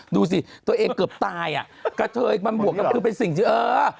ดูสิตัวเองเกือบตายอ่ะกระเทยมันบวกกันคือเป็นสิ่งที่เออ